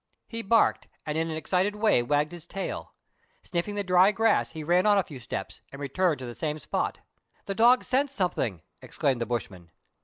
He barked, and in an excited way wagged his tail. Sniffing the dry grass, he ran on a few steps, and returned to the same spot. " The dog scents something," exclaimed the bushman.